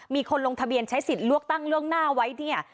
มีคนลงทะเบียนใช้สิทธิ์เลือกตั้งล่วงหน้าไว้เนี่ย